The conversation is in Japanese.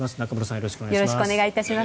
よろしくお願いします。